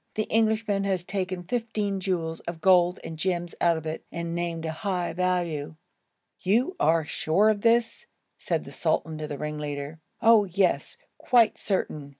The Englishman has taken fifteen jewels of gold and gems out of it,' and named a high value. 'You are sure of this?' said the sultan to the ringleader. 'Oh, yes! quite certain!'